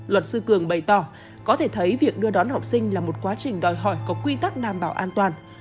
luật sư cường bày tỏ có thể thấy việc đưa đón học sinh là một quá trình đòi hỏi có quy tắc đảm bảo an toàn